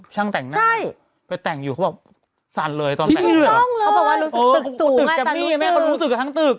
ช่างนี้ไหวครับพูห์เพราะว่าตอนเช้าอ่ะเขาบอกวงบนตึก